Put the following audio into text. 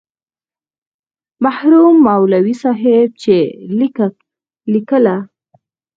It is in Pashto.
مرحوم مولوي صاحب چې لیکله.